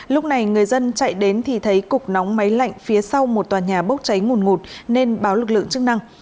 lúc này người dân chạy đến thì thấy cục nóng máy lạnh phía sau một tòa nhà bốc cháy ngủn ngụt nên báo lực lượng chức năng